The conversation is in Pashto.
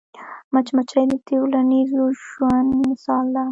مچمچۍ د ټولنیز ژوند مثال ده